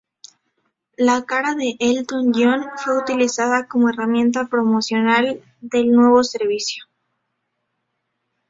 La cara de Elton John fue utilizada como herramienta promocional del nuevo servicio.